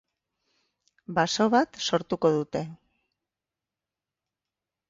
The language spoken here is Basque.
Baso bat sortuko dute.